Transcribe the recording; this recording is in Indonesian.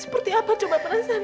seperti apa coba perasaanmu